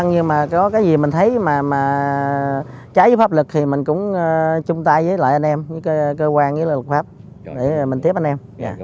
nhưng mà có cái gì mình thấy mà trái dưới pháp luật thì mình cũng chung tay với lại anh em với cơ quan với lực pháp để mình tiếp anh em